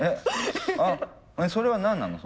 あそれは何なの？